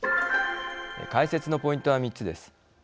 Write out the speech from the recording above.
解説のポイントは３つです。